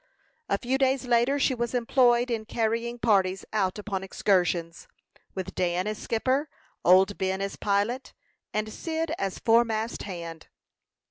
A few days later, she was employed in carrying parties out upon excursions, with Dan as skipper, old Ben as pilot, and Cyd as foremast hand.